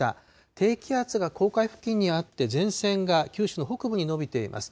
低気圧が黄海付近にあって、前線が九州の北部に延びています。